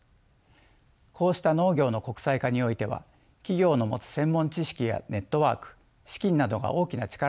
こうした農業の国際化においては企業の持つ専門知識やネットワーク資金などが大きな力となります。